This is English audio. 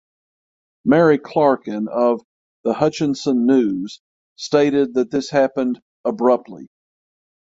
Mary Clarkin of "The Hutchinson News" stated that this happened "abruptly".